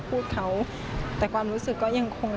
ทุกครับทุกคน